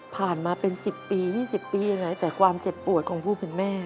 มาเป็น๑๐ปี๒๐ปียังไงแต่ความเจ็บปวดของผู้เป็นแม่